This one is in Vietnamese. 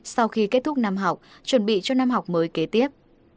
sau khi kết thúc năm học chuẩn bị cho năm học mới kế tiếp